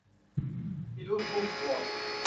อีลุ่มพุ่มพวง